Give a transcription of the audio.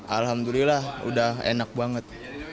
alhamdulillah udah enak banget